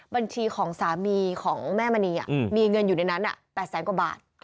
บัญชีของสามีของแม่มณีมีเงินอยู่ในนั้น๘แสนกว่าบาท